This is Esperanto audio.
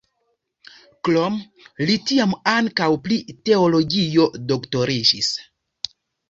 Krome li tiam ankaŭ pri teologio doktoriĝis.